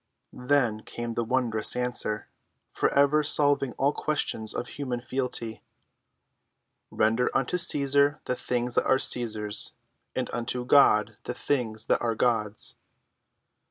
Then came the wondrous answer, forever solving all questions of human fealty: "Render unto Cæsar the things that are Cæsar's, and unto God the things that are God's."